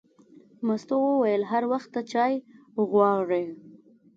مستو وویل: هر وخت ته چای غواړې.